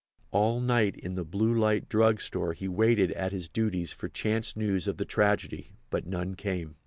All night in the Blue Light Drug Store he waited at his duties for chance news of the tragedy, but none came.